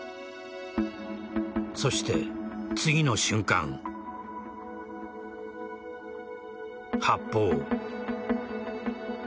そして次の瞬間発砲。